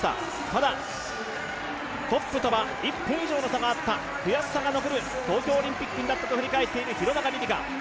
ただトップとは１分以上の差があった、悔しさが残る東京オリンピックになったと振り返っている廣中璃梨佳